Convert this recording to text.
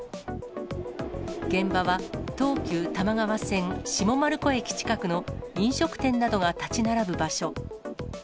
現場は東急多摩川線下丸子駅近くの飲食店などが建ち並ぶ場所。